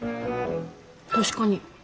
確かに。